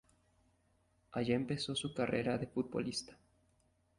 Allá empezó su carrera de futbolista.